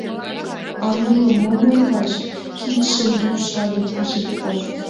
— А, нуным мом ойлаш! — кидшым лупшале Пузырьков.